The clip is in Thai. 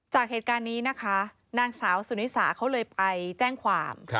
จากเหตุการณ์นี้นะคะนางสาวสุนิสาเขาเลยไปแจ้งความ